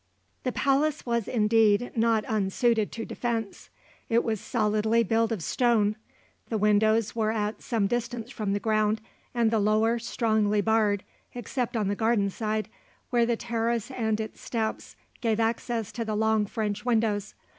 The palace was indeed not unsuited to defence. It was solidly built of stone. The windows were at some distance from the ground and the lower strongly barred, except on the garden side, where the terrace and its steps gave access to the long French windows.